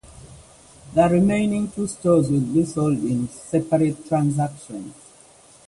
The remaining two stores will be sold in separate transactions.